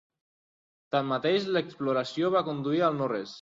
Tanmateix, l'exploració va conduir al no res.